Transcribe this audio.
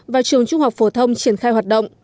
và trường trung học phổ thông triển khai hoạt động